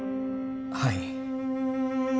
はい。